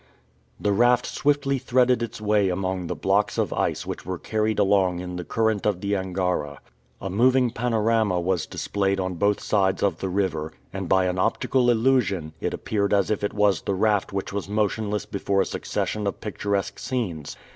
The raft swiftly threaded its way among the blocks of ice which were carried along in the current of the Angara. A moving panorama was displayed on both sides of the river, and, by an optical illusion, it appeared as if it was the raft which was motionless before a succession of picturesque scenes.